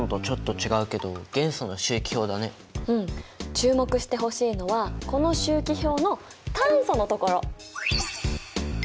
注目してほしいのはこの周期表の炭素のところ。